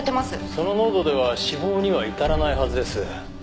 その濃度では死亡には至らないはずです。